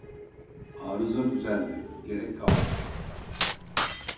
Arıza düzeldi gerek kalmadı